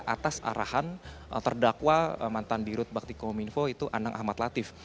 atas arahan terdakwa mantan dirut bakti kominfo itu anang ahmad latif